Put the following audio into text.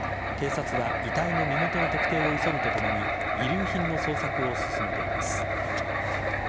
警察は遺体の身元の特定を急ぐとともに遺留品の捜索を進めています。